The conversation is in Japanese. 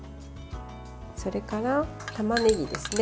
それから、たまねぎですね。